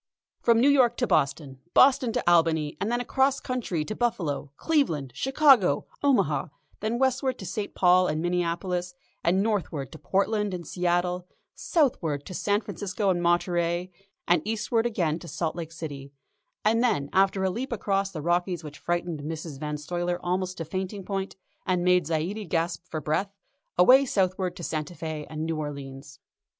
From New York to Boston, Boston to Albany, and then across country to Buffalo, Cleveland, Chicago, Omaha then westward to St. Paul and Minneapolis, and northward to Portland and Seattle, southward to San Francisco and Monterey, then eastward again to Salt Lake City, and then, after a leap across the Rockies which frightened Mrs. Van Stuyler almost to fainting point and made Zaidie gasp for breath, away southward to Santa Fé and New Orleans.